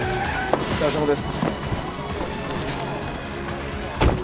お疲れさまです！